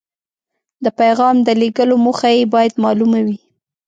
د پیغام د لیږلو موخه یې باید مالومه وي.